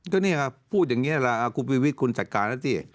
ก็นี่ค่ะพูดอย่างนี้แหละคุณพิวิตคุณจัดการแล้วสิ